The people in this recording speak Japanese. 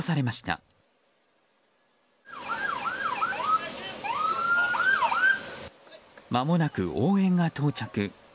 まもなく応援が到着。